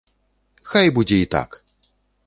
Хай будзе і так!